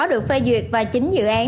được phê duyệt và chín dự án